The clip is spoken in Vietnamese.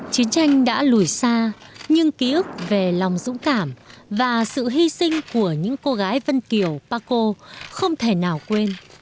chiến tranh đã lùi xa nhưng ký ức về lòng dũng cảm và sự hy sinh của những cô gái vân kiều pako không thể nào quên